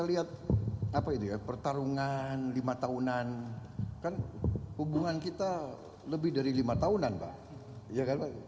kalau kita lihat pertarungan lima tahunan kan hubungan kita lebih dari lima tahunan pak